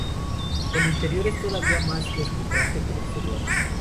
El interior es todavía más deslumbrante que el exterior.